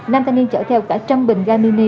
nam thanh niên chở theo cả trăm bình gabini